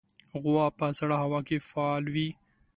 غوا په سړه هوا کې فعال وي.